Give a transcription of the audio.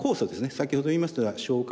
先ほど言いましたが消化